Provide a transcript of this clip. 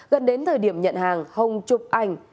gần đến thời điểm nhận hàng hồng chụp ảnh